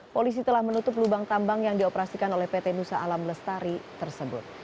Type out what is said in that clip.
polisi telah menutup lubang tambang yang dioperasikan oleh pt nusa alam lestari tersebut